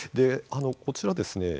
こちらですね